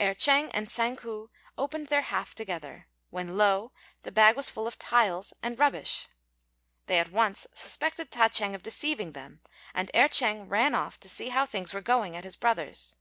Erh ch'êng and Tsang ku opened their half together, when lo! the bag was full of tiles and rubbish. They at once suspected Ta ch'êng of deceiving them, and Erh ch'êng ran off to see how things were going at his brother's.